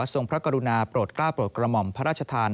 พระกรุณาโปรดกล้าโปรดกระหม่อมพระราชทาน